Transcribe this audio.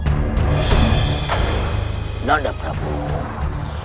tidak ada masalah